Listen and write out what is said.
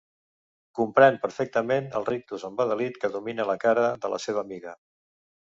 Comprèn perfectament el rictus embadalit que domina la cara de la seva amiga.